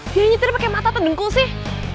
dia nyetir pake mata pedengkung sih